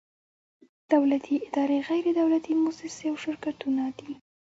دولتي ادارې، غیر دولتي مؤسسې او شرکتونه دي.